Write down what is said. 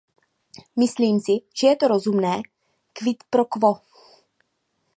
Myslím si, že je to rozumné quid pro quo.